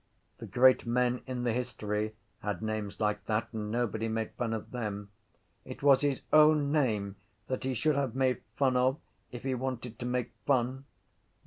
The great men in the history had names like that and nobody made fun of them. It was his own name that he should have made fun of if he wanted to make fun.